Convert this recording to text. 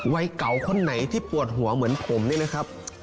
วัยเก่าคนไหนที่ปวดหัวเหมือนผมเนี่ยนะครับ